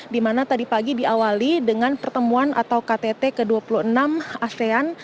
di mana tadi pagi diawali dengan pertemuan atau ktt ke dua puluh enam asean